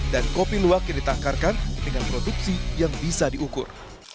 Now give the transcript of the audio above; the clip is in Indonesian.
dan kopi luwak yang ditangkarkan dengan produksi yang bisa diukur